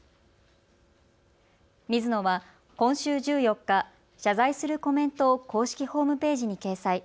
ミズノは今週１４日、謝罪するコメントを公式ホームページに掲載。